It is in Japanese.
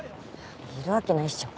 いるわけないっしょ